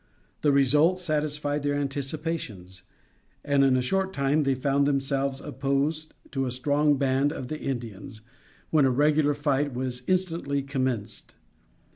The result satisfied their anticipations. In a short time they found themselves opposed to a strong band of the Indians, when, a regular fight was instantly commenced.